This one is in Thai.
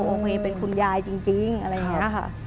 โอเคเป็นคุณยายจริงอะไรอย่างนี้ค่ะ